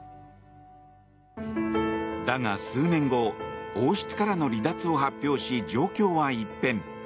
だが、数年後、王室からの離脱を発表し、状況は一変。